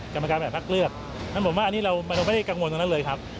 กรรมการแบบพักเลือกนั้นผมว่าอันนี้เราไม่ได้กังวลตรงนั้นเลยครับ